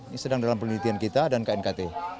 ini sedang dalam penelitian kita dan knkt